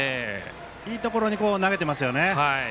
いいところに投げていますよね。